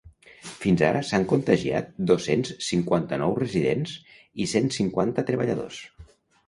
Fins ara s’han contagiat dos-cents cinquanta-nou residents i cent cinquanta treballadors.